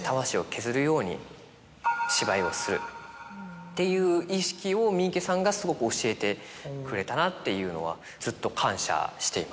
全力を出して。っていう意識を三池さんがすごく教えてくれたなっていうのはずっと感謝しています。